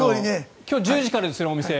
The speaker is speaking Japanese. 今日１０時からですよね、お店。